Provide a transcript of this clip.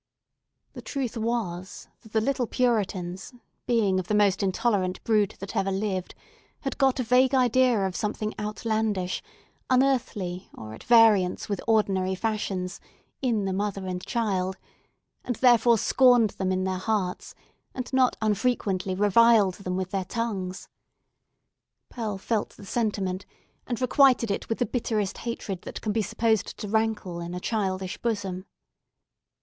The truth was, that the little Puritans, being of the most intolerant brood that ever lived, had got a vague idea of something outlandish, unearthly, or at variance with ordinary fashions, in the mother and child, and therefore scorned them in their hearts, and not unfrequently reviled them with their tongues. Pearl felt the sentiment, and requited it with the bitterest hatred that can be supposed to rankle in a childish bosom.